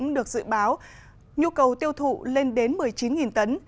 được dự báo nhu cầu tiêu thụ lên đến một mươi chín tấn